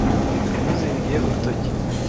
Yamuzingiye urutoki.